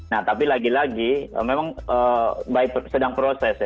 nah tapi lagi lagi memang by sedang proses ya